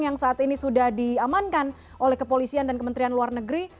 yang saat ini sudah diamankan oleh kepolisian dan kementerian luar negeri